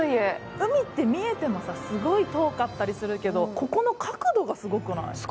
海って見えてもさ、すごい遠かったりするけど、ここの角度がすごくない？